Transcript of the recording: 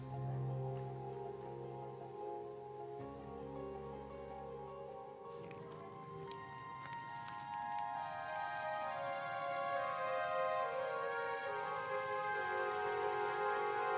dan bu silvi sudah merusak jiwanya pelangi